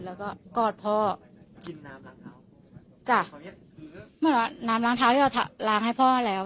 แล้วก็กอดพ่อกินน้ำล้างเท้าจ้ะเหมือนว่าน้ำล้างเท้าที่เราล้างให้พ่อแล้ว